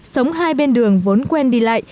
sống hai bên đường vốn quen đi lại